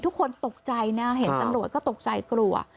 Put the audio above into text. ทุกคนตกใจนะเห็นตำรวจก็ตกใจกลัว